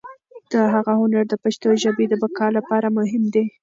د هغه هنر د پښتو ژبې د بقا لپاره مهم دی.